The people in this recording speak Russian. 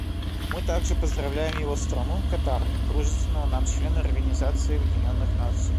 Мы также поздравляем его страну, Катар, дружественного нам члена Организации Объединенных Наций.